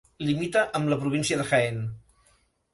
Limita amb la província de Jaén.